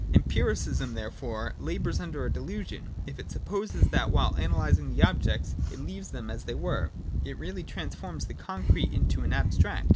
Empiricism there fore labours under a delusion, if it supposes that, while analysing the objects, it leaves them as they were : it really transforms the concrete into an abstract.